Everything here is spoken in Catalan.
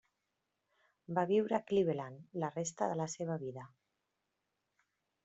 Va viure a Cleveland la resta de la seva vida.